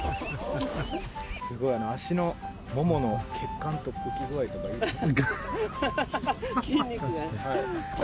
すごい、脚のももの血管の浮き具合とかいいですね。